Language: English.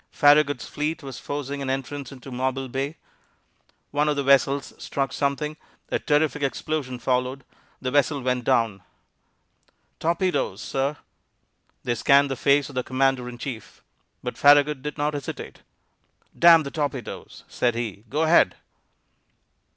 Farragut's fleet was forcing an entrance into Mobile Bay. One of the vessels struck something, a terrific explosion followed, the vessel went down. "Torpedoes, sir." They scanned the face of the commander in chief. But Farragut did not hesitate. "Damn the torpedoes," said he. "Go ahead."